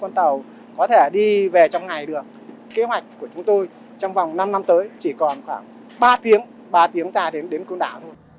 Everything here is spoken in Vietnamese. con tàu có thể đi về trong ngày được kế hoạch của chúng tôi trong vòng năm năm tới chỉ còn khoảng ba tiếng ba tiếng ra đến côn đảo thôi